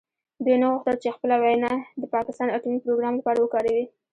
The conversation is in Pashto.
دوی نه غوښتل چې خپله وینه د پاکستان اټومي پروګرام لپاره وکاروي.